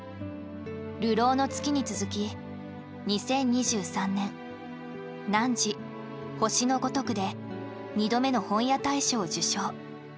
「流浪の月」に続き２０２３年「汝、星のごとく」で２度目の本屋大賞を受賞。